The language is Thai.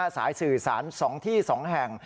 สายสื่อสารสองที่สองแห่ง